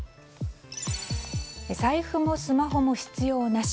財布もスマホも必要なし。